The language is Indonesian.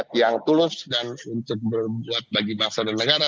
yang tulus dan untuk berbuat bagi bangsa dan negara